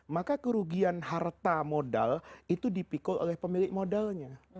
maka kerugian harta modal itu dipikul oleh pemilik modalnya